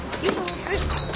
よいしょ！